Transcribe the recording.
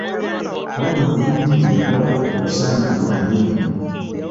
Wabula mu bingi bye yakola, osaanidde omanye bino.